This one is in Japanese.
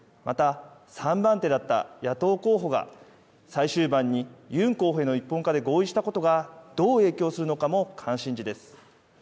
また、３番手だった野党候補が、最終盤にユン候補への一本化で合意したことがどう影響するのかも関心事です。